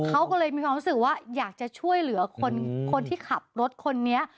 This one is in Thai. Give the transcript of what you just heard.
เขาก็เลยมีความรู้สึกว่าอยากจะช่วยเหลือคนที่ขับรถคนนี้